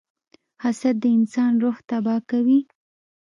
• حسد د انسان روح تباه کوي.